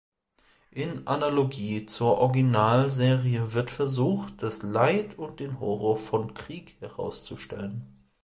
In Analogie zur Originalserie wird versucht, das Leid und den Horror von Krieg herauszustellen.